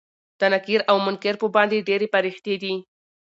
دا نکير او منکر په باندې ډيرې پريښتې دي